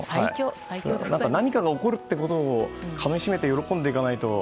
何かが起こることをかみしめて喜んでいかないと。